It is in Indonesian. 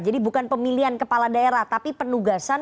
jadi bukan pemilihan kepala daerah tapi penugasan